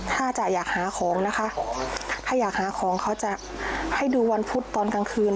ถ้าจะอยากหาของนะคะถ้าอยากหาของเขาจะให้ดูวันพุธตอนกลางคืน